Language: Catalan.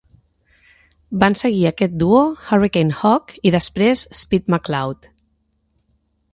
Van seguir aquest duo Hurricane Hawk i després Speed McCloud.